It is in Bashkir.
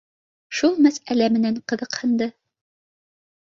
Шул мәсьәлә менән ҡыҙыҡһынды